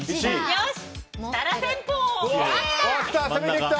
よし！